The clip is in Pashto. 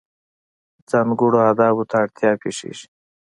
ځانګړو آدابو ته اړتیا پېښېږي.